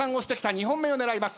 ２本目を狙います。